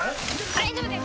大丈夫です